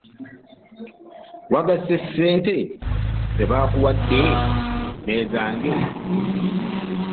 .Wagasse sente z'ebakuwadde n'ezange?